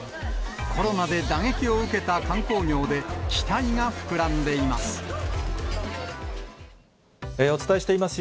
コロナで打撃を受けた観光業で、期待が膨らんでいます。